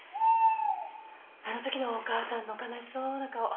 あのときのお母さんの悲しそうな顔